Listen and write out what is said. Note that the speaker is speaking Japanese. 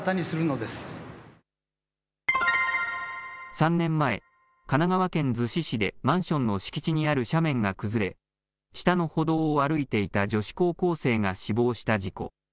３年前、神奈川県逗子市でマンションの敷地にある斜面が崩れ、下の歩道を歩いていた女子高校生が死亡した事故。